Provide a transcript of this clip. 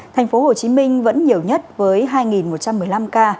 thành phố hồ chí minh vẫn nhiều nhất với hai một trăm một mươi năm ca